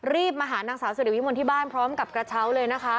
รีบมาหานางสาวสิริวิมลที่บ้านพร้อมกับกระเช้าเลยนะคะ